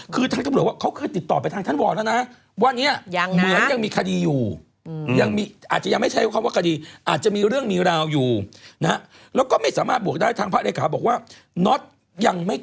คือท่านเจ้าบริบสมบัติว่า